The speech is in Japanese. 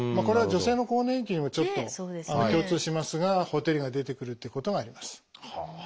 これは女性の更年期にもちょっと共通しますがほてりが出てくるっていうことがあります。